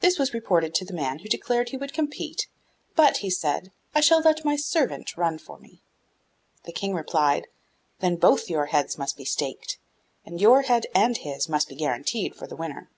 This was reported to the man who declared he would compete, 'but,' he said, 'I shall let my servant run for me.' The King replied, 'Then both your heads must be staked, and your head and his must be guaranteed for the winner.